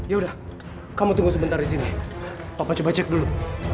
ya udah kamu tunggu sebentar di sini papa coba cek dulu